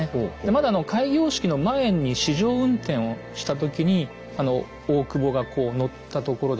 まだ開業式の前に試乗運転をした時に大久保がこう乗ったところですね